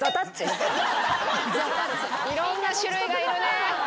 ・いろんな種類がいるね。